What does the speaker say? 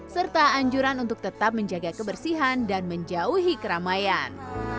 serta anjuran untuk tetap menjaga kebersihan dan menjauhi keramaian